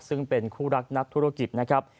ซึ่งเป็นคู่รักนักธุรกิจนะครับ